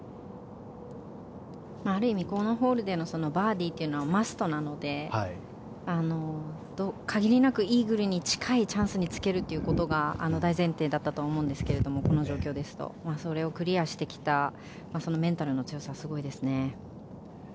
ある意味、このホールでのバーディーというのはマストなので限りなくイーグルに近いチャンスにつけるということがこの状況だと大前提だったと思うんですがそれをクリアしてきたメンタルの強さはすごいですね。